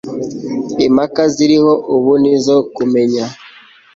impaka ziriho ubu n'izo kumenya